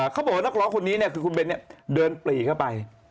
เขาบอกว่านักร้องคนนี้เนี่ยคือคุณเบ้นเดินปรีเข้าไป